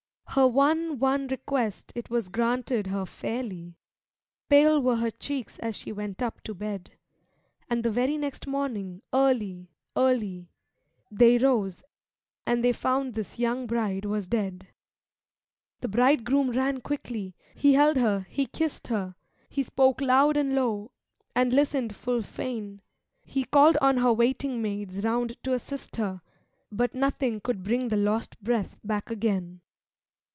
Her one, one request it was granted her fairly; Pale were her cheeks as she went up to bed; And the very next morning, early, early, They rose and they found this young bride was dead. The bridegroom ran quickly, he held her, he kiss'd her, He spoke loud and low, and listen'd full fain; He call'd on her waiting maids round to assist her But nothing could bring the lost breath back again.